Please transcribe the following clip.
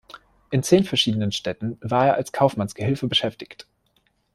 In zehn verschiedenen Städten war er als Kaufmannsgehilfe beschäftigt.